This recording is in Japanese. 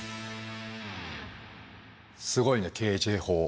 すごいねＫＪ法。